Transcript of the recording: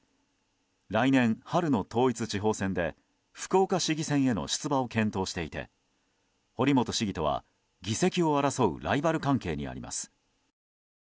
来年春の統一地方選で福岡市議選への出馬を検討していて堀本市議とは、議席を争うライバル関係にあります。